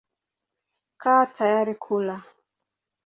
Kaa tayari kula.